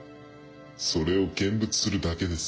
それを見物するだけです。